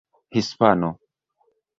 hispano